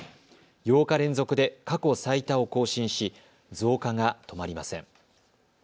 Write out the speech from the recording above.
８日連続で過去最多を更新し増加が止まりません。